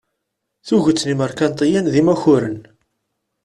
Tuget n yimerkantiyen d imakuren.